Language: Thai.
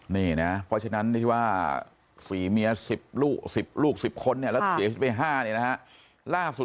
เพราะฉะนั้นที่ว่า๔เมีย๑๐ลูก๑๐คนแล้วเสียชีวิตไป๕ล่าสุด